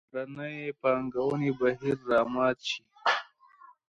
بهرنۍ پانګونې بهیر را مات شي.